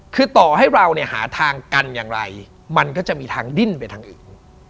คือต่อให้เราเนี่ยหาทางกันอย่างไรมันก็จะมีทางดิ้นไปทางอื่น